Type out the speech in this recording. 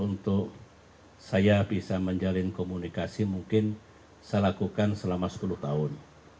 untuk saya bisa menjalin komunikasi mungkin saya lakukan selama sepuluh tahun